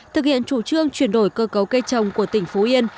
thực hiện chủ trương chuyển đổi cơ cấu cây trồng của tỉnh phú yên